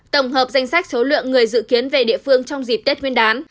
tổng hợp danh sách số lượng người dự kiến về địa phương trong dịp tết nguyên đán